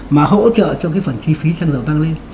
mà hỗ trợ cho cái phần chi phí xăng dầu tăng lên